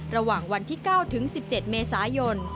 ระหว่างวันที่๙ถึง๑๗เมษายน